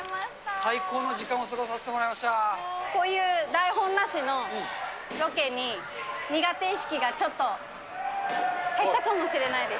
最高の時間を過ごさせてもらこういう台本なしのロケに、苦手意識がちょっと減ったかもしれないです。